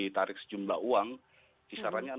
mereka tidak bisa masuk atau mendaftar menjadi anggota kerajaan